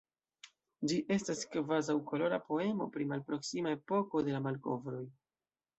Ĝi estas kvazaŭ kolora poemo pri malproksima epoko de la malkovroj.